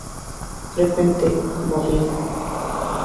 Frecuente como apellido.